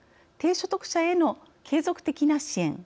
低所得者への継続的な支援。